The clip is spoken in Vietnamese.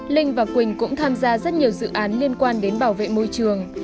linh và quỳnh cũng tham gia rất nhiều dự án liên quan đến bảo vệ môi trường